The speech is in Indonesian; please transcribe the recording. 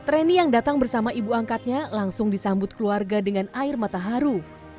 reni yang datang bersama ibu angkatnya langsung disambut keluarga dengan air matahari